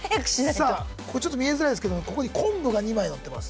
さあここちょっと見えづらいですけどここにこんぶが２枚のってます。